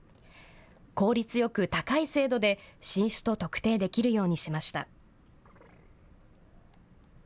効率よく高い精度で新種と特定できるようにしました。